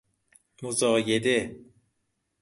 مزایده